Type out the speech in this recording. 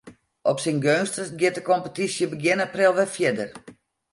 Op syn geunstichst giet de kompetysje begjin april wer fierder.